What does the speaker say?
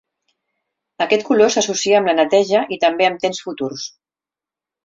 Aquest color s'associa amb la neteja i també amb temps futurs.